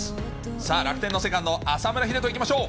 さあ、楽天のセカンド、浅村栄斗いきましょう。